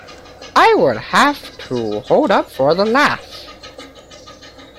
I would have to hold up for the laugh.